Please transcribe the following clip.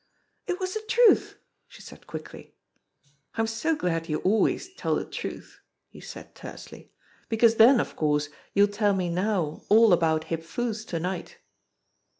"It was de truth," she said quickly. "I'm so glad you always tell the truth," he said tersely, "because then, of course, you'll tell me now all about Hip Foo's to night."